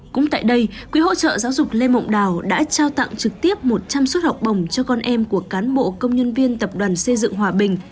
cũng tại đây quỹ hỗ trợ giáo dục lê mộng đào đã trao tặng trực tiếp một trăm linh suất học bổng cho con em của cán bộ công nhân viên tập đoàn xây dựng hòa bình